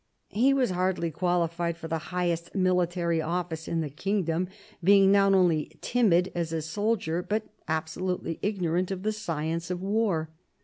He was hardly qualified for the highest military office in the kingdom, being not only timid as a soldier, but absolutely ignorant of the science of war.